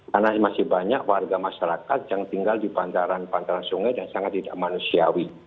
karena masih banyak warga masyarakat yang tinggal di pantaran pantaran sungai dan sangat tidak manusiawi